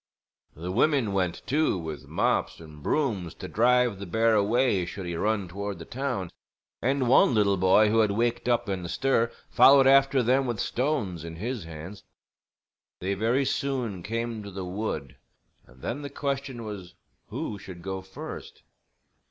The women went, too, with mops and brooms to drive the bear away should he run toward the town; and one little boy who had waked up in the stir followed after them with stones in his hands. They very soon came to the wood, and then the question was who should go first.